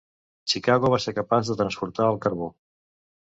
"Chicago" va ser capaç de transportar el carbó.